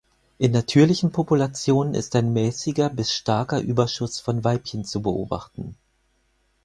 In natürlichen Populationen ist ein mäßiger bis starker Überschuss von Weibchen zu beobachten.